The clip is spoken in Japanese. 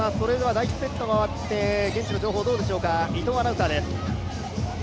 第１セットが終わって現地の情報どうでしょうか。